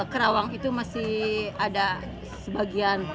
kerawang itu masih ada sebagian